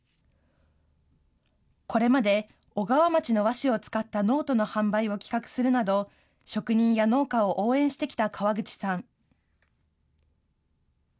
これまで小川町の和紙を使ったノートの販売を企画するなど、職人や農家を応援してきた川口さん。